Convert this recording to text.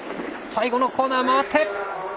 最後のコーナー、回って。